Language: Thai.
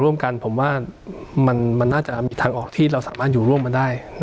มันน่าจะมีทางออกที่เราสามารถอยู่ร่วมมาได้